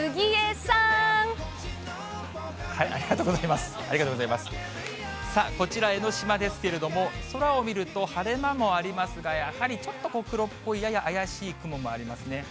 さあ、こちら江の島ですけれども、空を見ると、晴れ間もありますが、やはりちょっと黒っぽい、やや怪しい雲もありますね。